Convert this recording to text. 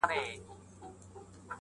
پاچا و ايستل له ځانه لباسونه!!